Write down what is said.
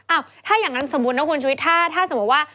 อ้าวถ้าอย่างนั้นสมมุติถ้าถ้าสมมุติว่า